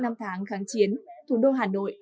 năm tháng kháng chiến thủ đô hà nội